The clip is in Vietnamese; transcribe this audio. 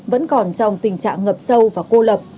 vẫn còn trong tình trạng ngập sâu và cô lập